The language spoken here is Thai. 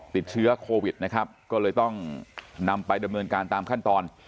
ติดเชื้อโควิดนะครับก็เลยต้องนำไปดำเนินการตามขั้นตอน